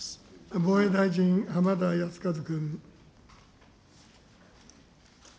防衛大臣、浜田靖一君。